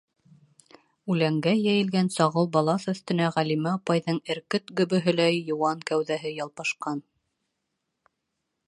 Үләнгә йәйелгән сағыу балаҫ өҫтөнә Ғәлимә апайҙың эркет гөбөһөләй йыуан кәүҙәһе ялпашҡан.